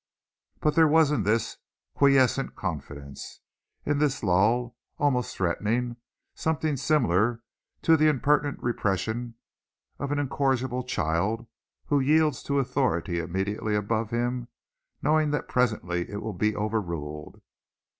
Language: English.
But there was in this quiescent confidence, in this lull almost threatening, something similar to the impertinent repression of an incorrigible child who yields to authority immediately above him, knowing that presently it will be overruled.